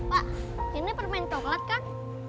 pak ini permainan toko kan